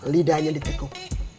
lidahnya di teguk